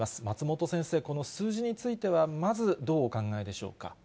松本先生、この数字についてはまずどうお考えでしょうか。